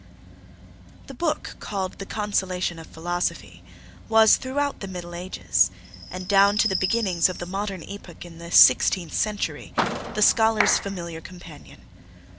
The book called 'The Consolation of Philosophy' was throughout the Middle Ages, and down to the beginnings of the modern epoch in the sixteenth century, the scholar's familiar companion.